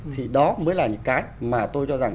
thì đó mới là những cái mà tôi cho rằng